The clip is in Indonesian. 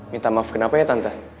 minta maaf kenapa ya tante